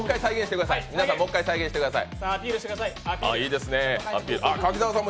皆さん、もう１回アピールしてください。